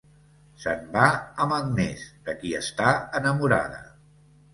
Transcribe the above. Se'n va amb Agnès de qui està enamorada.